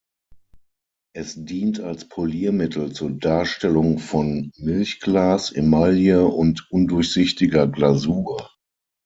Es dient als Poliermittel, zur Darstellung von Milchglas, Emaille und undurchsichtiger Glasur.